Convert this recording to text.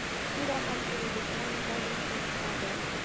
توره هلته ددښمن غاړي ته ښه ده